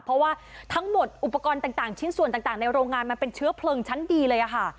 เพราะว่าทั้งหมดอุปกรณ์ต่างชิ้นส่วนต่างในโรงงานมันเป็นเชื้อเพลิงชั้นดีเลยค่ะ